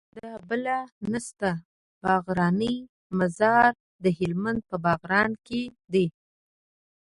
د بله نسته باغرانی مزار د هلمند په باغران کي دی